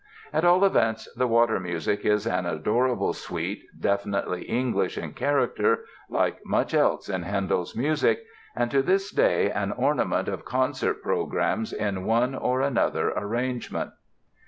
At all events, the "Water Music" is an adorable suite, definitely English in character—like much else in Handel's music—and to this day an ornament of concert programs in one or another arrangement.